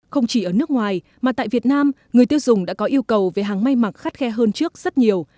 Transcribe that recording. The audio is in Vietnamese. không chỉ ở nước ngoài mà tại việt nam người tiêu dùng đã có yêu cầu về hàng may mặc khắt khe hơn trước rất nhiều